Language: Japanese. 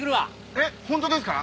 えっ本当ですか？